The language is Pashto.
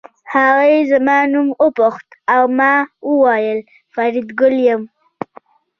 هغې زما نوم وپوښت او ما وویل فریدګل یم